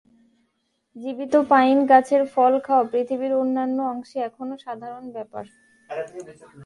জীবিত পাইন গাছের ফল খাওয়া পৃথিবীর অন্যান্য অংশে এখনও সাধারণ ব্যাপার।